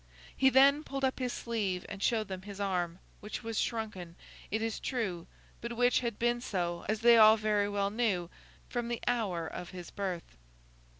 He then pulled up his sleeve and showed them his arm, which was shrunken, it is true, but which had been so, as they all very well knew, from the hour of his birth.